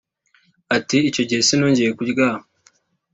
Ati “Icyo gihe sinongeye kuryama